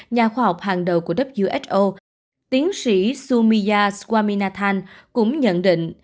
nhà khoa học hàng đầu của who tiến sĩ sumiya swaminathan cũng nhận định